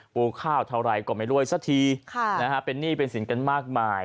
ปูข้าวเท่าไรก็ไม่รวยสักทีเป็นหนี้เป็นสินกันมากมาย